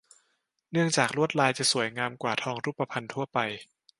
เนื่องจากลวดลายจะสวยงามกว่าทองรูปพรรณทั่วไป